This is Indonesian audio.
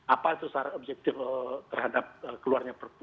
apa sesuatu objektif terhadap keluarnya perpu